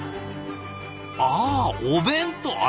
あお弁当。